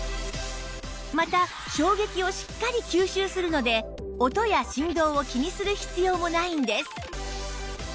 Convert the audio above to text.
また衝撃をしっかり吸収するので音や振動を気にする必要もないんです